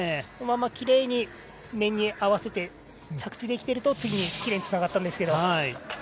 このままきれいに、面に合わせて着地できていると、次にきれいにつながったんですけど。